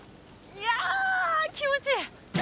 いや気持ちいい！